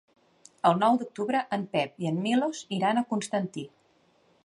El nou d'octubre en Pep i en Milos iran a Constantí.